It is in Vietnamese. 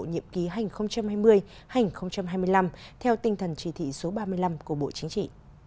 nhiệm ký hai nghìn hai mươi hai nghìn hai mươi năm theo tinh thần chỉ thị số ba mươi năm của bộ chính trị